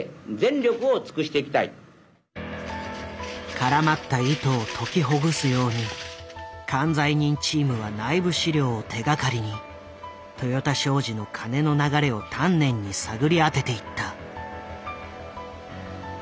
からまった糸を解きほぐすように管財人チームは内部資料を手がかりに豊田商事の金の流れを丹念に探り当てていった。